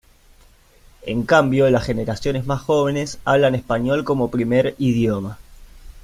En cambio, las generaciones más jóvenes, hablan español como primer idioma.